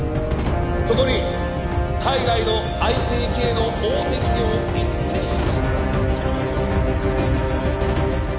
「そこに海外のＩＴ系の大手企業を一手に誘致し」